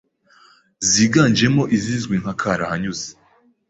ziganjemo izizwi nka karahanyuze.